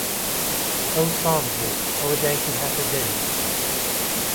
ئەوساز بوو ئهوە دایکی هاته دەری